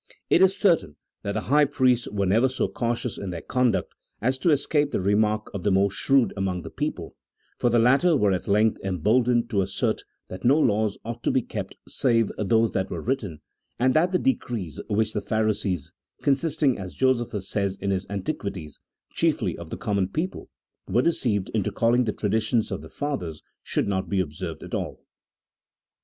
It is certain that the high priests were never so cautious in their conduct as to escape the re mark of the more shrewd among the people, for the latter were at length emboldened to assert that no laws ought to be kept save those that were written, and that the decrees which the Pharisees (consisting, as Josephus says in his *" Antiquities," chiefly of the common people), were deceived into calling the traditions of the fathers, should not be ob served at all.